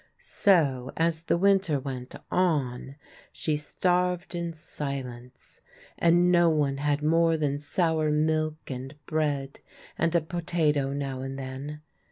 So, as the winter went on, she starved in silence, and no one had more than sour milk and bread and a potato now and then.